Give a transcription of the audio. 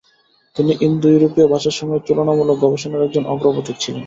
তিনি ইন্দো-ইউরোপীয় ভাষাসমূহের তুলনামূলক গবেষণার একজন অগ্রপথিক ছিলেন।